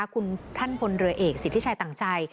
คุณท่านพลเรือเอกสิทธิชัยต่างใจ